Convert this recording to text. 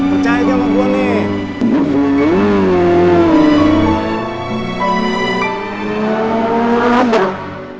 percaya aja sama gua nih